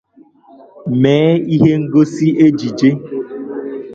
mee ihe ngosi ejije